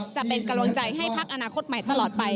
จะเป็นกำลังใจให้พักอนาคตใหม่ตลอดไป